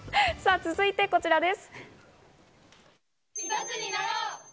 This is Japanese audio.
続いてこちらです。